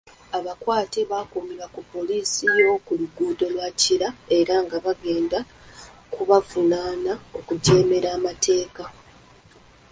Abakwate bakuumirwa ku Poliisi y'oku luguudo lwa Kira, era nga bagenda kubavunaana okujeemera amateeka.